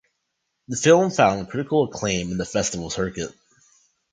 The film found critical acclaim in the festival circuit.